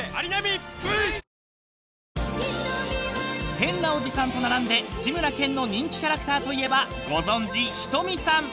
［変なおじさんと並んで志村けんの人気キャラクターといえばご存じひとみさん］